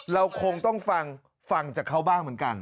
เราคงต้องฟังฟังจากเขาบ้างเหมือนกัน